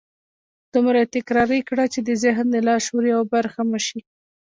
دومره يې تکرار کړئ چې د ذهن د لاشعور يوه برخه مو شي.